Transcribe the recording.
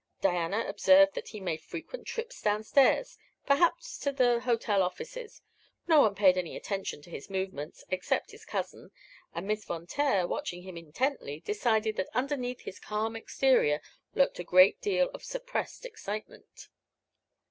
Diana observed that he made frequent trips downstairs, perhaps to the hotel offices. No one paid any attention to his movements, except his cousin, and Miss Von Taer, watching him intently, decided that underneath his calm exterior lurked a great deal of suppressed excitement.